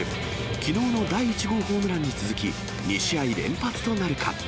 きのうの第１号ホームランに続き、２試合連発となるか。